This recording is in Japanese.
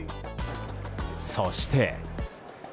そして。